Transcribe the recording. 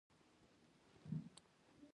کرنه د مالدارۍ او شاتو تولید سره مرسته کوي.